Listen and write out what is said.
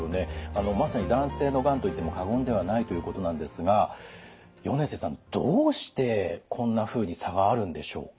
まさに男性のがんと言っても過言ではないということなんですが米瀬さんどうしてこんなふうに差があるんでしょうか。